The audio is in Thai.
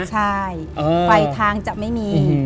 ใช่ไฟทางจะไม่มี